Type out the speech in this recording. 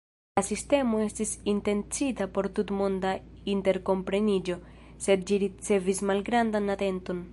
La sistemo estis intencita por tutmonda interkompreniĝo, sed ĝi ricevis malgrandan atenton.